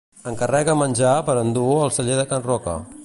Encarrega menjar per endur al Celler de Can Roca.